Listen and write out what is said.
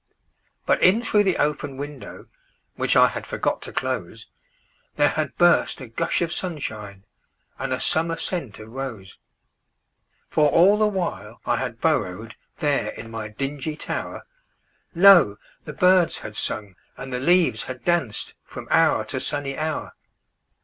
But in through the open window, Which I had forgot to close, There had burst a gush of sunshineAnd a summer scent of rose. For all the while I had burrowedThere in my dingy tower, Lo! the birds had sung and the leaves had dancedFrom hour to sunny hour.